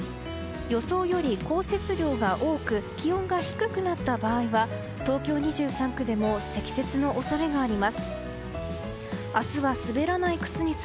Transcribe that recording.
予想より降雪量が多く気温が低くなった場合は東京２３区でも積雪の恐れがあります。